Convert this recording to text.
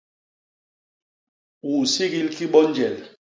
U nsigil ki bo njel?